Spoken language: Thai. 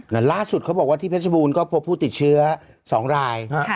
แล้วล่าสุดเขาบอกว่าที่เพชรบูรณ์ก็พบผู้ติดเชื้อ๒ราย